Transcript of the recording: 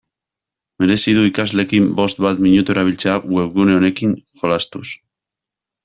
Merezi du ikasleekin bost bat minutu erabiltzea webgune honekin jolastuz.